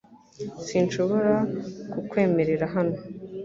Sinshobora kukwemerera hano .